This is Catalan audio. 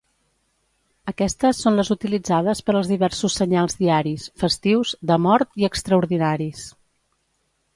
Aquestes són les utilitzades per als diversos senyals diaris, festius, de mort i extraordinaris.